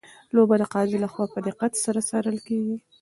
لوبه د قاضي لخوا په دقت سره څارل کیږي.